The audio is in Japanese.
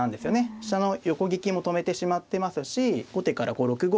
飛車の横利きも止めてしまってますし後手から６五